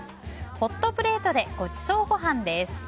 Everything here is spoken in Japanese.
ホットプレートでごちそうごはんです。